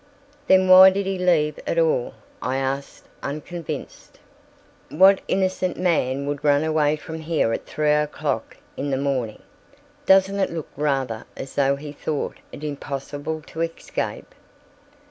"Then why did he leave at all?" I asked, unconvinced. "What innocent man would run away from here at three o'clock in the morning? Doesn't it look rather as though he thought it impossible to escape?"